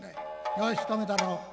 よし止めたろう。